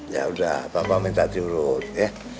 ya udah bapak minta diurut ya